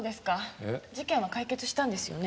事件は解決したんですよね？